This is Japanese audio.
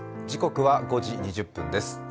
時刻は５時２０分です。